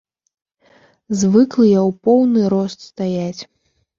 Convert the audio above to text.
Звыклыя ў поўны рост стаяць.